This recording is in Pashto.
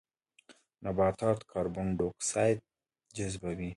نباتات کاربن ډای اکسایډ جذبوي